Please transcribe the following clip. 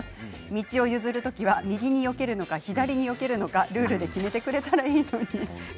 道を譲る時は右によけるのか左によけるのかルールで決めてくれたらいいということです。